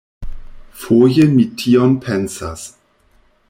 Foje mi tion pensas.